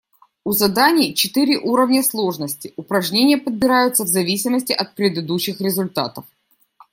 У заданий четыре уровня сложности, упражнения подбираются в зависимости от предыдущих результатов.